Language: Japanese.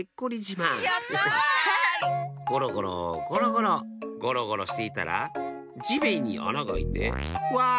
ゴロゴロゴロゴロゴロゴロしていたらじめんにあながあいてわ！